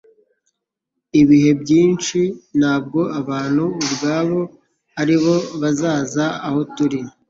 ibihe byinshi ntabwo abantu ubwabo aribo bazaza aho turi.